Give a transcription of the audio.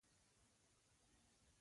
سم او روغ رسول فرض دي.